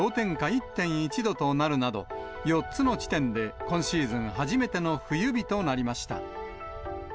１．１度となるなど、４つの地点で今シーズン初めての冬日となりました。